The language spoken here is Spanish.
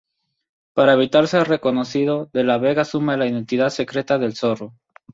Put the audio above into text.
Para evitar ser reconocido, De La Vega asume la identidad secreta del Zorro.